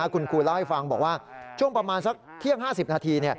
คุณครูเล่าให้ฟังบอกว่าช่วงประมาณสักเที่ยง๕๐นาที